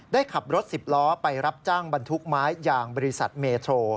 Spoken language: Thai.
ได้ขับรถ๑๐ล้อไปรับจ้างบรรทุกไม้อย่างบริษัทเมโทร